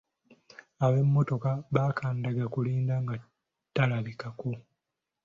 Ab'emmotoka bakandanga kulinda nga talabikako.